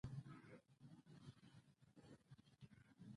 رخصتي د چا حق دی؟